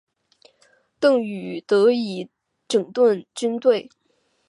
邓禹得以整顿军队。